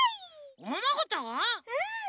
うん！